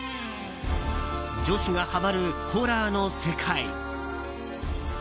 女子がハマるホラーの世界。